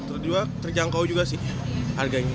pertama enak terus juga terjangkau juga sih harganya